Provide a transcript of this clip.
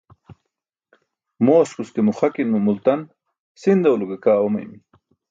Mooskus ke muxakin mo multan sindaw lo ke kaa oomaymi.